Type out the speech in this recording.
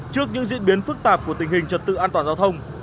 trước những diễn biến phức tạp của tình hình trật tự an toàn giao thông